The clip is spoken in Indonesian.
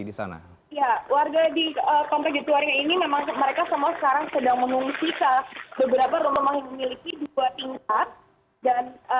di sana ya warga di komplek jatiwaria ini memang mereka semua sekarang sedang mengungsi ke beberapa rumah rumah yang memiliki dua tingkat dan